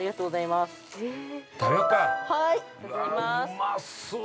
◆うまそう。